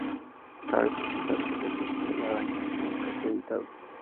Cabe precisar que "El festín de la araña" nunca fue editado.